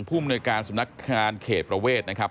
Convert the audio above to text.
มนวยการสำนักงานเขตประเวทนะครับ